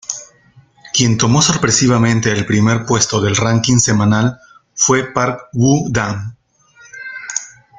Quien tomó sorpresivamente el primer puesto del ranking semanal fue Park Woo-dam.